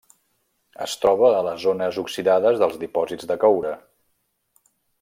Es troba a les zones oxidades dels dipòsits de coure.